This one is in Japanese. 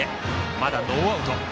まだノーアウト。